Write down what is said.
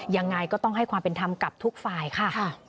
ยังไงก็ต้องให้ความเป็นธรรมกับทุกฝ่ายค่ะ